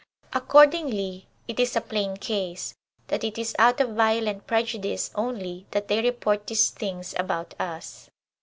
Accordingly, it is a plain case, that it is out of violent prejudice only that they report these things about us.